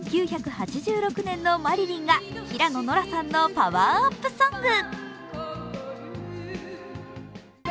「１９８６年のマリリン」が平野ノラさんのパワーアップソング。